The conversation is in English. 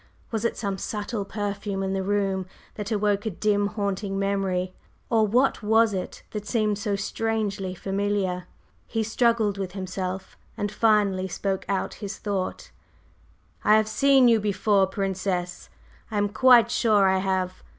Was it some subtle perfume in the room that awoke a dim haunting memory? Or what was it that seemed so strangely familiar? He struggled with himself, and finally spoke out his thought: "I have seen you before, Princess; I am quite sure I have!